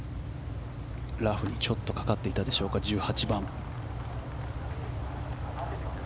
ラフにちょっとかかっていたでしょうか１８番。